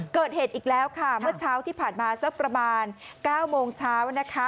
เกิดเหตุอีกแล้วค่ะเมื่อเช้าที่ผ่านมาสักประมาณ๙โมงเช้านะคะ